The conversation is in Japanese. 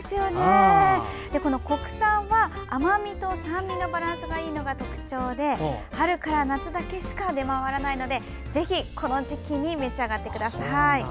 国産は甘味と酸味のバランスがいいのが特徴で春から夏だけしか出回らないのでぜひこの時期に召し上がってください。